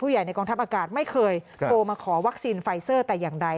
ใหญ่ในกองทัพอากาศไม่เคยโทรมาขอวัคซีนไฟเซอร์แต่อย่างใด